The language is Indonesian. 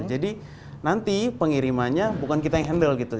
jadi nanti pengirimannya bukan kita yang handle gitu